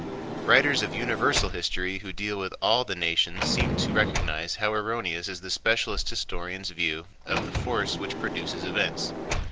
Writers of universal history who deal with all the nations seem to recognize how erroneous is the specialist historians' view of the force which produces events.